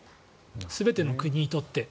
全ての国にとって。